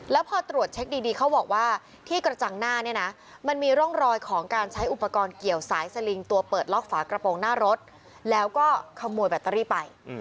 แล้วพอตรวจเช็คดีเขาบอกว่าที่กระจังหน้าเนี่ยนะมันมีร่องรอยของการใช้อุปกรณ์เกี่ยวสายสลิงตัวเปิดล็อกฝากระโปรงหน้ารถแล้วก็ขโมยแบตเตอรี่ไป